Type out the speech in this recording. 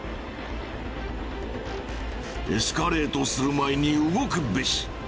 エスカレートする前に動くべし。